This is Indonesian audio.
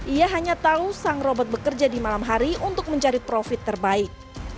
ia hanya tahu sang robot bekerja di malam hari untuk mencari profit terbaik